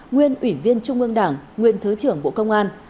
nguyên ủy viên trung ương đảng nguyên thứ trưởng bộ công an